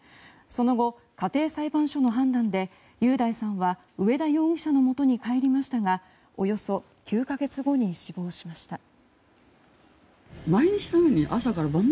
その後、家庭裁判所の判断で雄大さんは上田容疑者のもとに帰りましたがおよそ９か月後に死亡しました。